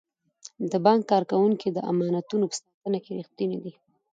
د بانک کارکوونکي د امانتونو په ساتنه کې ریښتیني دي.